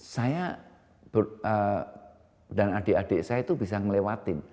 saya dan adik adik saya itu bisa ngelewatin